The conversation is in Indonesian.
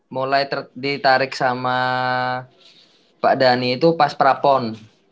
mulai ditarik sama pak dhani itu pas prapon